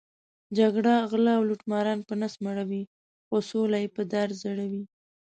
جګړه غله او لوټماران په نس مړوي، خو سوله یې په دار ځړوي.